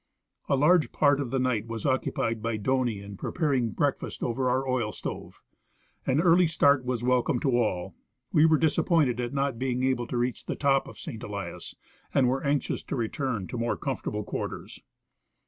A large part of the night was occupied by Doney in preparing breakfast over our oil stov e. An early start was welcome to all ; we were disap pointed at not being able to reach the top of St. Elias, and were anxious to return to more comfortable quarters.